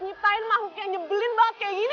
nyiptain makhluk yang nyebelin banget kayak gini